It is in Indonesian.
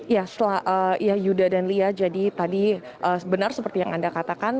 ya yuda dan lia jadi tadi benar seperti yang anda katakan